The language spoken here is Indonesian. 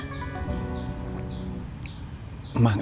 mahapaan emang ya